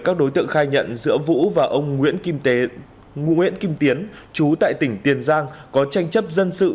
các đối tượng khai nhận giữa vũ và ông nguyễn kim tiến chú tại tỉnh tiền giang có tranh chấp dân sự